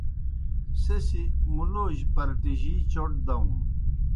سہ سیْ مُلوجیْ پرٹِجِی چوْٹ داؤن۔